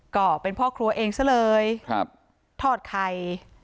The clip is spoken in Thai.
ก็เป็นพ่อครัวเองซะเลยครับทอดไข่